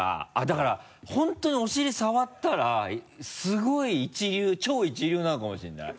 だから本当にお尻触ったらすごい一流超一流なのかもしれない。